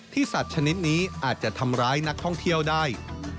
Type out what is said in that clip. สัตว์ชนิดนี้อาจจะทำร้ายนักท่องเที่ยวได้